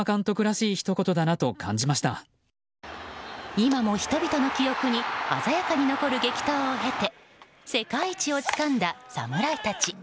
今も人々の記憶に鮮やかに残る激闘を経て世界一をつかんだ侍たち。